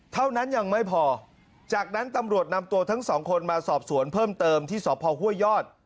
เท่านั้นยังไม่พอจากนั้นตำรวจนำตัวทั้งสองคนมาสอบสวนเพิ่มเติมที่สพห้วยยอด